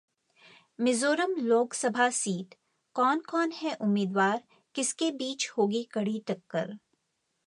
मिजोरम लोकसभा सीटः कौन-कौन है उम्मीदवार, किसके बीच होगी कड़ी टक्कर